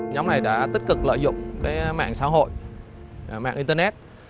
nhóm này đã tích cực lợi dụng mạng xã hội mạng internet